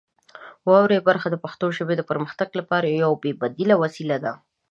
واورئ برخه د پښتو ژبې د پرمختګ لپاره یوه بې بدیله وسیله ده.